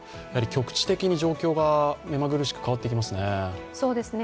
局地的に状況がめまぐるしく変わってきますね。